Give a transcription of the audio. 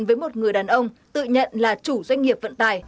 với một người đàn ông tự nhận là chủ doanh nghiệp vận tài